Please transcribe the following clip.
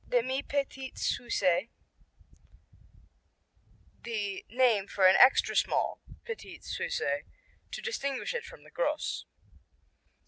Demi Petit Suisse The name for an extra small Petit Suisse to distinguish it from the Gros.